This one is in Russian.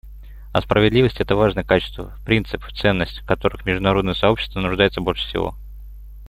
А справедливость — это важное качество, принцип, ценность, в которых международное сообщество нуждается больше всего.